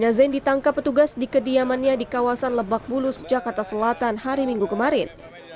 ada zain ditangkap petugas di kediamannya di kawasan lebakbulu jakarta selatan hari minggu kemarin